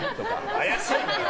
怪しいな。